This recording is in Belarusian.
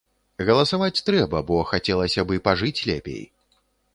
Галасаваць трэба, бо хацелася б і пажыць лепей.